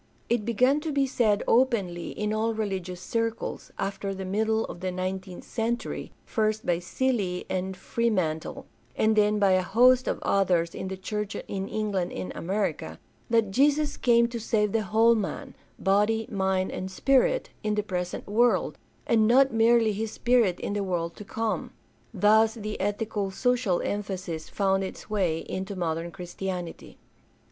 It began to be said openly in all religious circles, after the middle of the nineteenth century, first by Seeley and Freeman tie, and then by a host of others in the church in England and America, that Jesus came to save the whole man — body, mind, and spirit — in the present world, and not merely his spirit in the world to come. Thus the ethico social emphasis found its way into modern Christianity.